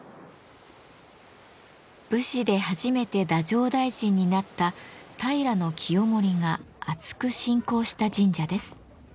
武士で初めて太政大臣になった平清盛があつく信仰した神社です。